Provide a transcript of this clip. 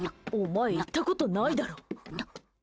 お前行ったことないだろ。